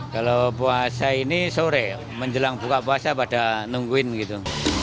kalau puasa ini sore menjelang buka puasa pada nungguin gitu